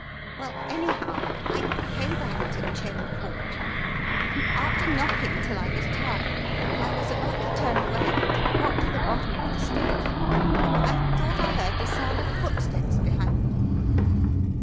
Well, anyhow, I came back to Cheyne Court, and after knocking till I was tired, I was about to turn away and had got to the bottom of the steps when I thought I heard the sound of footsteps behind me.